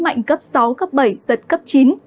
áp thấp nhiệt đới mạnh cấp sáu cấp bảy giật cấp chín